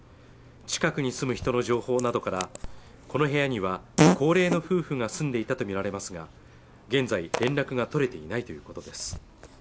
近くに住む人の情報などからこの部屋には高齢の夫婦が住んでいたと見られますが現在連絡が取れていないということです